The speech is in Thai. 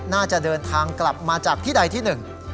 น่าจะเดินทางกลับมาจากที่ใดที่หนึ่ง